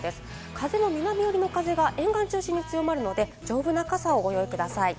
風も南よりの風が沿岸の中心、強まるので丈夫な傘をご用意ください。